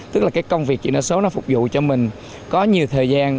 tức là cái công việc chuyển đổi số nó phục vụ cho mình có nhiều thời gian